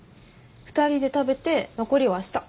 ２人で食べて残りはあした。